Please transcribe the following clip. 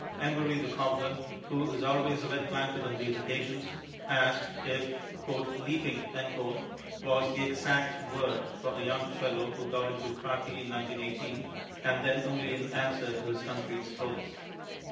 Embury, the cobbler, who is always a wet blanket on these occasions, asked if "leaping" was the exact word for a young fellow who got into khaki in 1918, and then only in answer to his country's police.